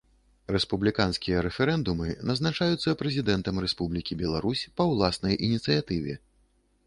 Рэспубліканскія рэферэндумы назначаюцца Прэзідэнтам Рэспублікі Беларусь па ўласнай ініцыятыве.